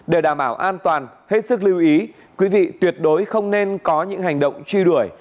để đảm bảo an toàn hết sức lưu ý quý vị tuyệt đối không nên có những hành động truy đuổi